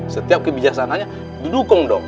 setiap kebijasananya didukung dong